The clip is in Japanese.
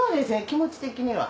気持ち的には。